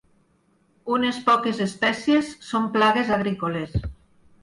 Unes poques espècies són plagues agrícoles.